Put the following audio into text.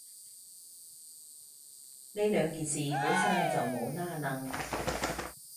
呢兩件事本身就冇拏褦